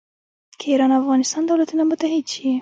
که ایران او افغانستان دولتونه متحد شي.